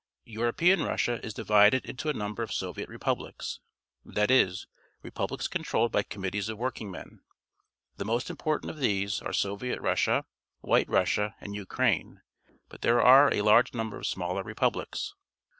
European Russia is di\aded into a number of Soviet Republics, that is, republics controlled by committees of workingmen. The most important of these are Somet Russia, White Riissia, and Ukraine, but there are a large number of smaller republics.